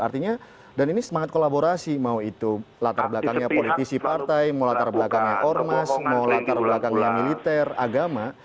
artinya dan ini semangat kolaborasi mau itu latar belakangnya politisi partai mau latar belakangnya ormas mau latar belakangnya militer agama